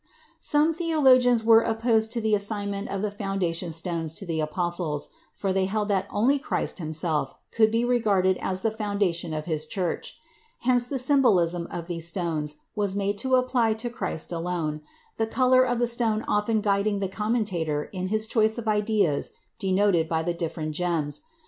Some theologians were opposed to the assignment of the foundation stones to the apostles, for they held that only Christ himself could be regarded as the foundation of his Church. Hence the symbolism of these stones was made to apply to Christ alone, the color of the stone often guiding the commentator in his choice of ideas denoted by the different gems.